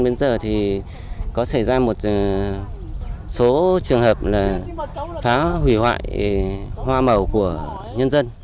bây giờ thì có xảy ra một số trường hợp là phá hủy hoại hoa màu của nhân dân